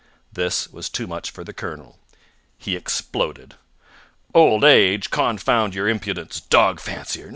This was too much for the colonel. He exploded. "Old age! Confound your impudence! Dog fancier!